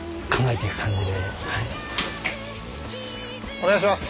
お願いします。